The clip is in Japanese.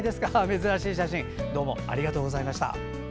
珍しい写真どうもありがとうございました。